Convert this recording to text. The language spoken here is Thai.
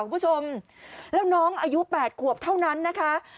คุณผู้ชมแล้วน้องอายุ๘ขวบเท่านั้นนะคะ